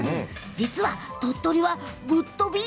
実は鳥取はぶっとび！